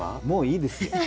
もういいですよ。